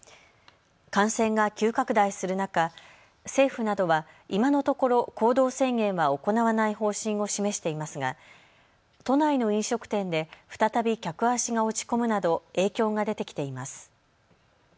感染が急拡大する中、政府などは今のところ行動制限は行わない方針を示していますが都内の飲食店で再び客足が落ち込むなど影響が出てきています。